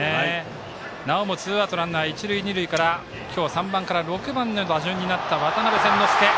なおもツーアウトランナー、一塁二塁から今日３番から６番の打順になった渡邉千之亮。